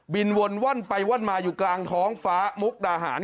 วนว่อนไปว่อนมาอยู่กลางท้องฟ้ามุกดาหาร